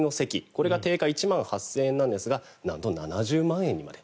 これが定価１万８０００円なんですがなんと７０万円にまで。